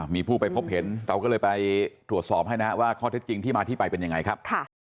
มีผู้ไปพบเห็นเราก็เลยไปตรวจสอบให้นะครับว่าข้อเท็จจริงที่มาที่ไปเป็นยังไงครับ